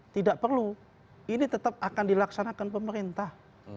tidak perlu ini tetap akan dilaksanakan pemerintah